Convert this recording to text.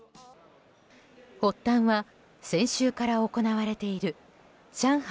発端は先週から行われている上海